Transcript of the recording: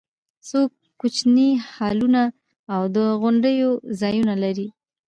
څو کوچني هالونه او د غونډو ځایونه لري.